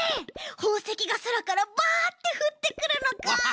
ほうせきがそらからバッてふってくるのか。